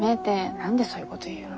何でそういうごど言うの。